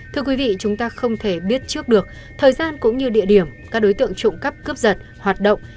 thưa quý vị chúng ta không thể biết trước được thời gian cũng như địa điểm các đối tượng trộm cắp cướp giật hoạt động